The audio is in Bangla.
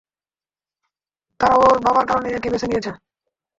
তারা ওর বাবার কারণে ওকে বেছে নিয়েছে।